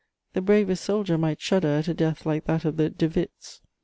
The bravest soldier might shudder at a death like that of the de Witts."